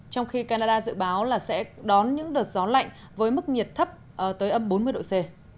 trong khi canada dự báo là sẽ đón những đợt gió lạnh với mức nhiệt thấp tới âm bốn mươi độ c